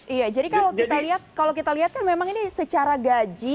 iya jadi kalau kita lihat kalau kita lihat kan memang ini secara gaji